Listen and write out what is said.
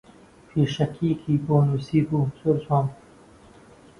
پێشەکییەکی بۆ نووسیبوو زۆر جوان بوو